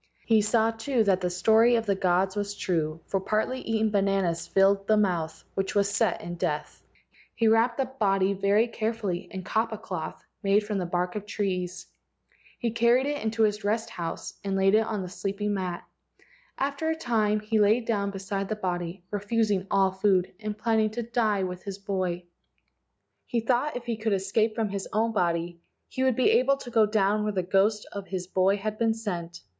He saw too that the story of the gods was true, for partly eaten bananas filled the mouth, which was set in death. i6 LEGENDS OF GHOSTS He wrapped the body very carefully in kapa cloth made from the bark of trees.* He carried it into his rest house and laid it on the sleeping mat. After a time he lay down beside the body, refusing all food, and planning to die with his boy. He thought if he could escape from his own body he would be able to go down where the ghost of his boy had been sent.